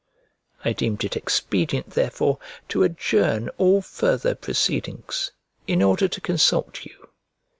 I deemed it expedient, therefore, to adjourn all further proceedings, in order to consult you.